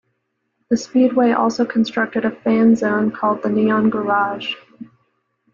The speedway also constructed a fan zone called the Neon Garage.